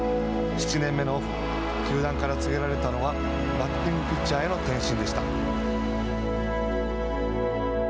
７年目のオフ球団から告げられたのはバッティングピッチャーへの転身でした。